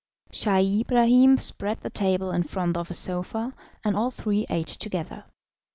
Scheih Ibrahim spread the table in front of a sofa, and all three ate together.